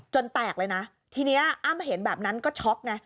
แตกเลยนะทีนี้อ้ำเห็นแบบนั้นก็ช็อกไง